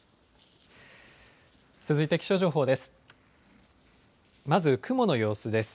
続いて気象情報です。